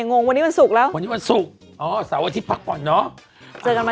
น้องมันผิดอีกแล้วหรอ